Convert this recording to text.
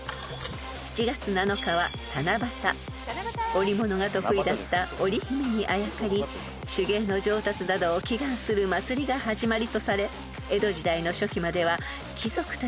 ［織物が得意だった織姫にあやかり手芸の上達などを祈願する祭りが始まりとされ江戸時代の初期までは貴族たちの行事でした］